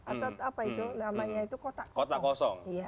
atau apa itu namanya itu kotak kosong kosong